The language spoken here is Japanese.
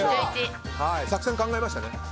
作戦考えましたね。